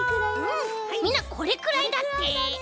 みんなこれくらいだって。